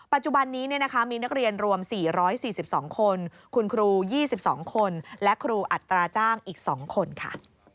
ปัจจุบันนี้มีนักเรียนรวม๔๔๒คนคุณครู๒๒คนและครูอัตราจ้างอีก๒คนค่ะ